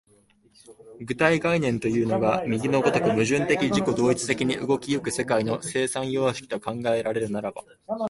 具体概念というのが右の如く矛盾的自己同一的に動き行く世界の生産様式と考えられるならば、